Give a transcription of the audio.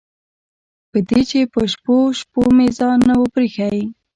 په دې چې په شپو شپو مې ځان نه و پرېښی.